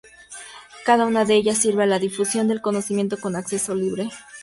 Cada una de ellas sirve a la difusión del conocimiento con acceso libre.